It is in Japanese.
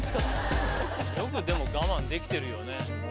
よくでも我慢できてるよね